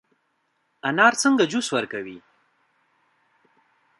انار څنګه جوس ورکوي؟